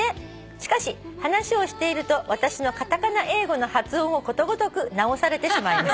「しかし話をしていると私のカタカナ英語の発音をことごとく直されてしまいます」